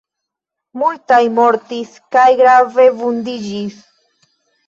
Multaj mortis kaj grave vundiĝis.